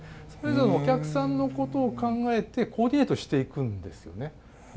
それぞれお客さんのことを考えてコーディネートしていくんですよね。